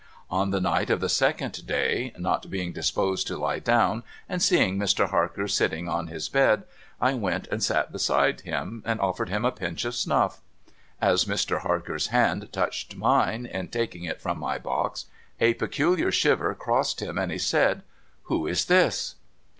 On the night of the second day, not l)eing disposed to he down, and seeing Mr. Harker sitting on his l)ed, I went and sat beside him, and offered him a pinch of snuff. As Mr. Marker's hand touched mine in taking it from my box, a pccuHar shiver crossed him, and he said, ' Who is this